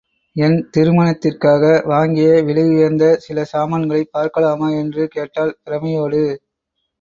என் திருமணத்திற்காக வாங்கிய விலையுயர்ந்த சில சாமான்களைப் பார்க்கலாமா? என்று கேட்டாள் பிரமையோடு.